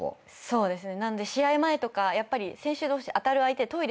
そうですね